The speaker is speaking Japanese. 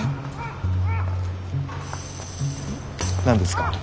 何ですか？